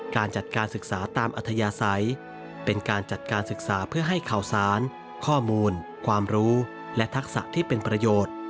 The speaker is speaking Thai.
การจัดการศึกษาตามอัธยาศัยเป็นการจัดการศึกษาเพื่อให้ข่าวสารข้อมูลความรู้และทักษะที่เป็นประโยชน์